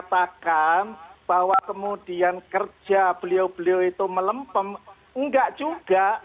tapi kalau dikatakan bahwa kemudian kerja beliau beliau itu melempem enggak juga